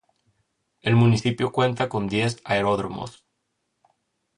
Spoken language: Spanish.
El municipio cuenta con diez aeródromos.